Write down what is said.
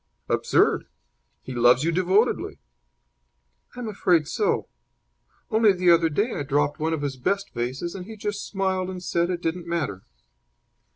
"Absurd! He loves you devotedly." "I'm afraid so. Only the other day I dropped one of his best vases, and he just smiled and said it didn't matter."